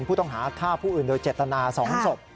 ผู้ต้องหาฆ่าผู้อื่นโดยเจตนา๒ศพ